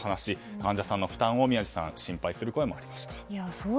患者さんの負担を心配する声もありました。